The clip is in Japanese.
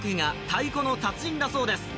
「太鼓の達人だそうです！！」